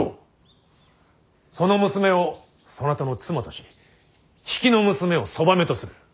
その娘をそなたの妻とし比企の娘をそばめとする。